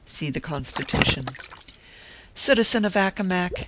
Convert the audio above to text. (See the Constitution.) Citizen of Accomac